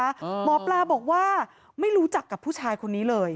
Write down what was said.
หมอปลาบอกว่าไม่รู้จักกับผู้ชายคนนี้เลย